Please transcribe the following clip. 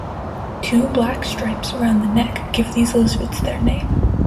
Two black stripes around the neck give these lizards their name.